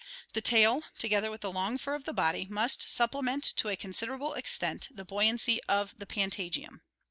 The tail, together with the long fur of the body, must supplement to a considerable extent the buoyancy of the patagium.